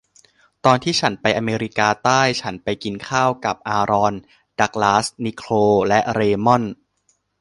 ตอนที่ฉันไปอเมริกาใต้ฉันไปกินข้าวกับอารอน ดักลาส นิโคล และเรย์มอนด์